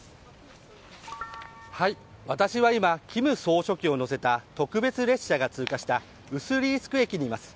私は今、金総書記を乗せた特別列車が通過したウスリースク駅にいます。